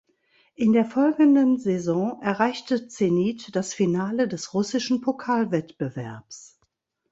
In der folgenden Saison erreichte Zenit das Finale des russischen Pokalwettbewerbs.